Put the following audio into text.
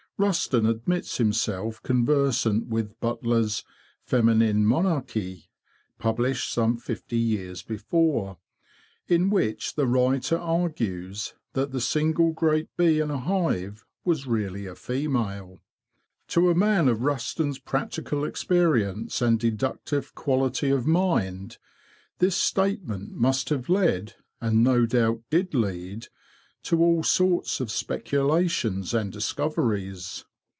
Rusden admits himself con versant with Butler's '' Feminine Monarchie,"' published some fifty years before, in which the writer argues that the single great bee in a hive was really a female. To a man of Rusden's practical experience and deductive quality of mind, this state ment must have lead, and no doubt did lead, to all sorts of speculations and discoveries.